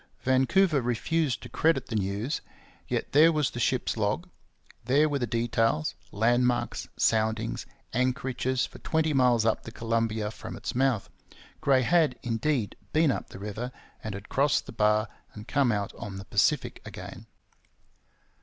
Vancouver refused to credit the news; yet there was the ship's log; there were the details landmarks, soundings, anchorages for twenty miles up the Columbia from its mouth. Gray had, indeed, been up the river, and had crossed the bar and come out on the Pacific again.